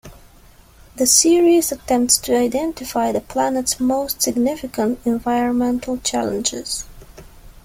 The series attempts to identify the planet's most significant environmental challenges.